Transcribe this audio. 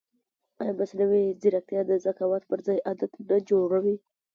ایا مصنوعي ځیرکتیا د قضاوت پر ځای عادت نه جوړوي؟